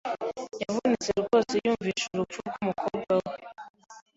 Yavunitse rwose yumvise urupfu rwumukobwa we.